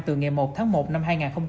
từ ngày một tháng một năm hai nghìn hai mươi